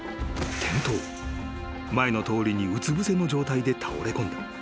［前の通りにうつぶせの状態で倒れこんだ］